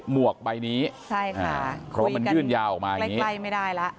หมวกใบนี้เพราะว่ามันยื่นยาออกมานี่คุยกันใกล้ไม่ได้ล่ะ